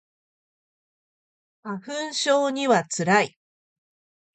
花粉症には辛い